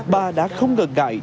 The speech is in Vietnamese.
bà đã không ngợt ngại